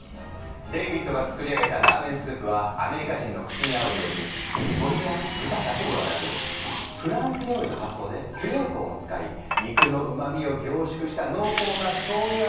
デイビッドが作り上げたラーメンスープはアメリカ人の口に合うように鶏や豚だけではなくフランス料理の発想でベーコンを使い肉のうまみを凝縮した濃厚なしょうゆ味のスープ。